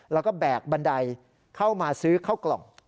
แล้วก็แบกบันไดเข้ามาซื้อเข้ากล่อง